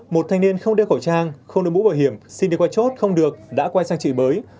một thanh niên không đeo khẩu trang không được mũ bảo hiểm xin đi qua chốt không được đã quay sang trị bới